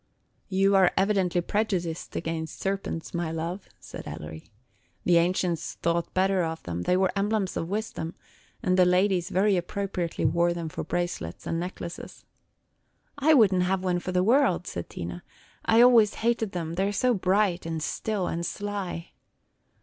"You are evidently prejudiced against serpents, my love," said Ellery. "The ancients thought better of them; they were emblems of wisdom, and the ladies very appropriately wore them for bracelets and necklaces." "I would n't have one for the world," said Tina. "I always hated them, they are so bright, and still, and sly."